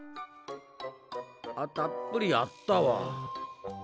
あたっぷりあったわ。